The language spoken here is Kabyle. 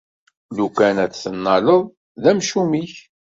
Lukan ad t-tennaleḍ, d amcum-ik.